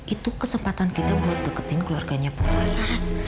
itu kesempatan kita untuk mendekati keluarganya bu laras